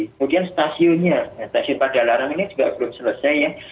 kemudian stasiunnya stasiun padalarang ini juga belum selesai ya